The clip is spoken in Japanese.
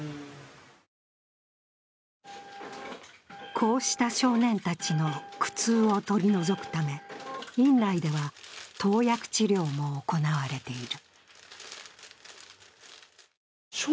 こうした少年たちの苦痛を取り除くため院内では投薬治療も行われている。